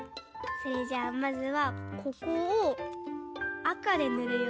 それじゃあまずはここをあかでぬるよ。